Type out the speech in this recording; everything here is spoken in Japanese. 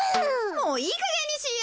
もういいかげんにしいや！